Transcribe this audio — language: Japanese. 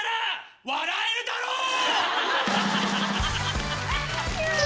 笑えるだろう！